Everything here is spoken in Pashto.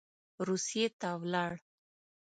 روسیې ته ولاړ.